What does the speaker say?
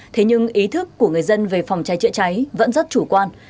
thế nhưng ý thức của người dân về phòng cháy chữa cháy vẫn rất chủ quan